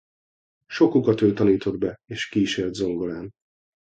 Sokukat ő tanított be és kísért zongorán.